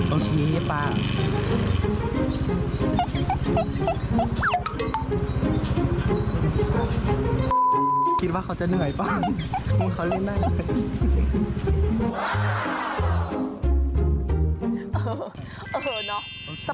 โอเคเปล่า